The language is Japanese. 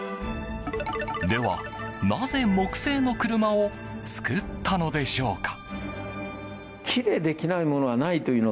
では、なぜ木製の車を作ったのでしょうか。